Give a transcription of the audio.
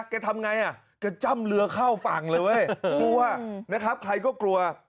ทำไงอ่ะแกจ้ำเรือเข้าฝั่งเลยเว้ยกลัวนะครับใครก็กลัว